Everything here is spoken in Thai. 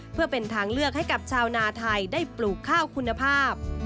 เพื่อเป็นทางเลือกให้กับชาวนาไทยได้ปลูกข้าวคุณภาพ